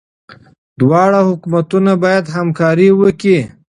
دواړه حکومتونه باید همکاري وکړي.